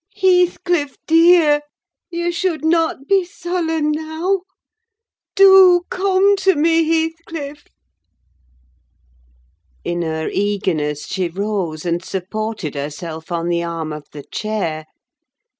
Heathcliff, dear! you should not be sullen now. Do come to me, Heathcliff." In her eagerness she rose and supported herself on the arm of the chair.